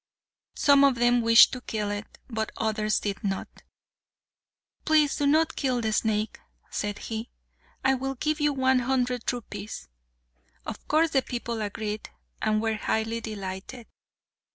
Some of them wished to kill it, but others did not. "Please do not kill the snake," said he; "I will give you one hundred rupees." Of course the people agreed, and were highly delighted.